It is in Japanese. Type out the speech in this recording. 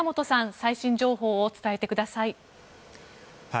最新情報を伝えてください。